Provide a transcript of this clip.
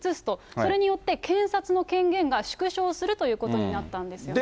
それによって検察の権限が縮小するということになったんですよね。